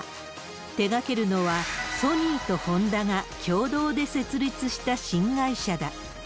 手がけるのはソニーとホンダが共同で成立した新会社だ。